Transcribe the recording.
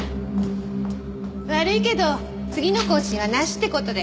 悪いけど次の更新はなしって事で。